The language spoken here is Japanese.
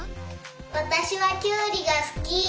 わたしはきゅうりがすき。